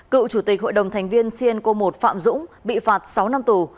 cựu chủ tịch hội đồng thành viên cnco một phạm dũng bị phạt sáu năm tù